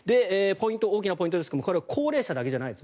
大きなポイントですがこれは高齢者だけじゃないです。